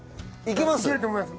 いけると思います。